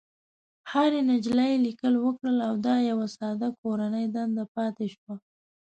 هرې نجلۍ ليکل وکړل او دا يوه ساده کورنۍ دنده پاتې شوه.